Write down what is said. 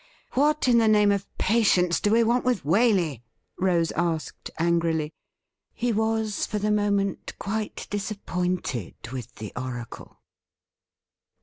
'What in the name of patience do we want with Waley ? Rose asked angrily. He was for the moment quite disappointed with the oracle.